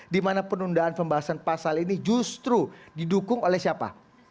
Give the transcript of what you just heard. dimana penundaan pembahasan pasal ini justru didukung oleh siapa